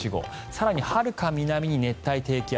更に、はるか南に熱帯低気圧。